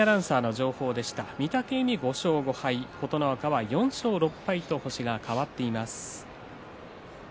御嶽海、５勝５敗琴ノ若は４勝６敗と星が変わっています。